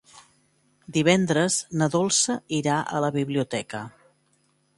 Divendres na Dolça irà a la biblioteca.